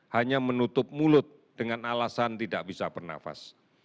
hanya menutup mulut dengan alasan tidak bisa bernafas